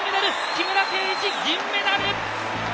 木村敬一銀メダル！